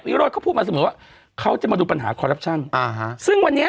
วิโรธเขาพูดมาเสมอว่าเขาจะมาดูปัญหาอ่าฮะซึ่งวันนี้